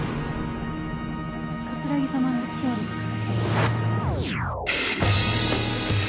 葛城さまの勝利です。